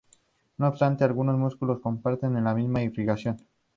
No obstante, algunos músculos comparten la misma irrigación.